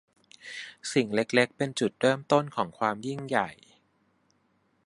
สิ่งเล็ก ๆ เป็นจุดเริ่มต้นของความยิ่งใหญ่